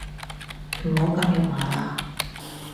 唔好咁肉麻喇